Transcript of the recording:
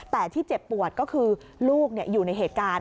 แต่ที่เจ็บปวดก็คือลูกอยู่ในเหตุการณ์